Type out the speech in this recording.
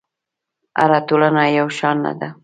هره ټولنه یو شان نه ده.